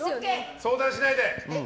相談しないで！